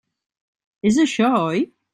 És això, oi?